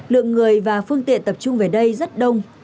lượng người và phương tiện tập trung về đây rất đông